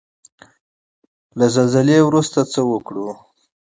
له زلزلې وروسته څه وکړو؟